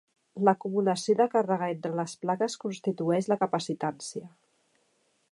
L'acumulació de càrrega entre les plaques constitueix la capacitància.